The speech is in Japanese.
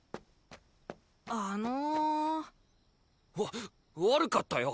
あのわ悪かったよ